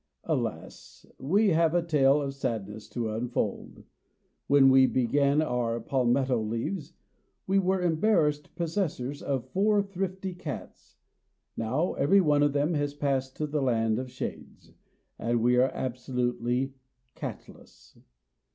Alas! we have a tale of sadness to unfold. When we began our "Palmetto Leaves," we were the embarrassed possessor of four thrifty cats: now every one of them has passed to the land of shades, and we are absolutely catless.